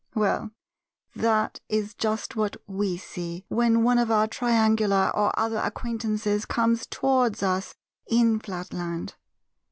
Well, that is just what we see when one of our triangular or other acquaintances comes towards us in Flatland.